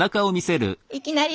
いきなり？